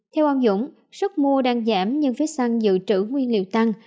theo ông dũng sức mua đang giảm nhưng phía săn dự trữ nguyên liệu tăng